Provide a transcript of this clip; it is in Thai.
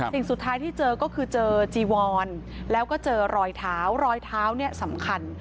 สิ่งสุดท้ายที่เจอก็คือเจอจีวอนแล้วก็เจอรอยเท้ารอยเท้าเนี่ยสำคัญ